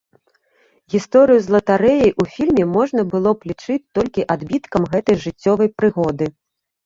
Гісторыю з латарэяй у фільме можна было бы лічыць толькі адбіткам гэтай жыццёвай прыгоды.